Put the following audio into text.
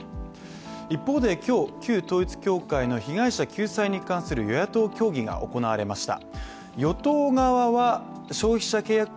一方で今日、旧統一教会の被害者救済に関する与野党協議が行われました。